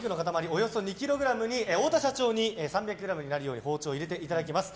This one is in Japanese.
およそ２ｋｇに太田社長に３００ｇになるよう包丁を入れていただきます。